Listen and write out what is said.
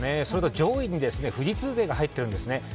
それと上位に富士通勢が入ってるんですね